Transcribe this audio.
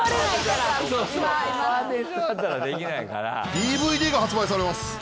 ＤＶＤが発売されます！